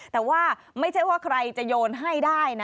แต่ว่าไม่ใช่ว่าใครจะโยนให้ได้นะ